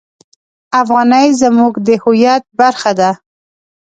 افغانۍ زموږ د هویت برخه ده.